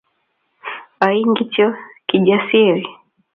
Oin kityoKijasiri